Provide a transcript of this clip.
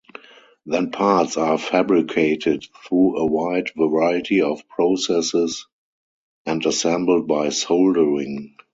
Then parts are fabricated through a wide variety of processes and assembled by soldering.